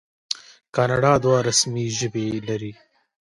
کاناډا دوه رسمي ژبې لري.